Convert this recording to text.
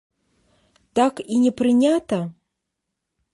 Так і не прынята?